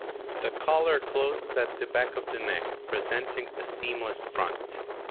The collar closes at the back of the neck, presenting a seamless front.